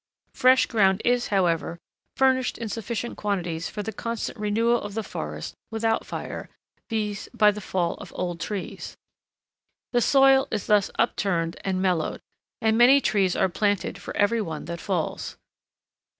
Fresh ground is, however, furnished in sufficient quantities for the constant renewal of the forests without fire, viz., by the fall of old trees. The soil is thus upturned and mellowed, and many trees are planted for every one that falls.